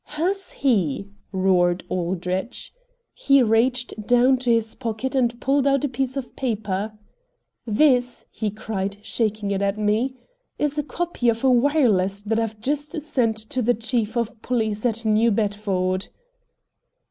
"Has he?" roared Aldrich. He reached down into his pocket and pulled out a piece of paper. "This," he cried, shaking it at me, "is a copy of a wireless that I've just sent to the chief of police at New Bedford."